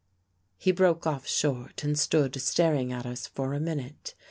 . He broke off short and stood staring at us for a minute.